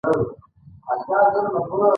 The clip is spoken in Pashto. علي سپېره انسان دی.